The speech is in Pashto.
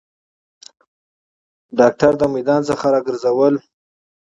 داکتر د میدان څخه راګرځول